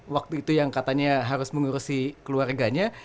waktu itu yang katanya harus mengurusi keluarganya